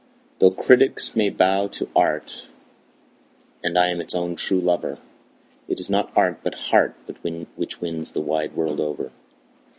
Though critics may bow to art, and I am its own true lover, It is not art, but heart, which wins the wide world over.